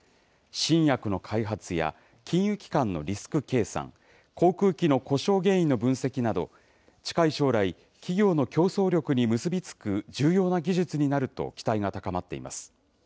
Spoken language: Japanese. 新薬の開発や金融機関のリスク計算、航空機の故障原因の分析など、近い将来、企業の競争力に結び付く重要な技術になると期待が高まっています。